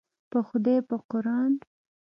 په خدای په قوران.